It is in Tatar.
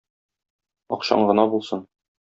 Акчаң гына булсын!